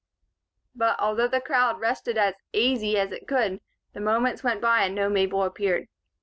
But, although the crowd rested as "aisy" as it could, the moments went by and no Mabel appeared.